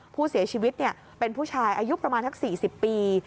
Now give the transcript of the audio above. ผู้เสียชีวิตเป็นผู้ชายอายุประมาณสัก๔๐ปี